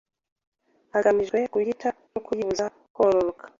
hagamijwe kuyica no kuyibuza kororoka.